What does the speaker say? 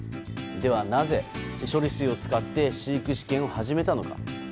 では、なぜ処理水を使って飼育試験を始めたのか。